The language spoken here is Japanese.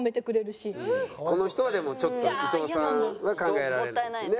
この人はでもちょっと伊藤さんは考えられないってね。